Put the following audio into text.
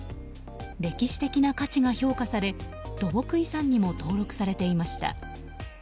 歴史的な価値が評価され土木遺産にも登録されていました。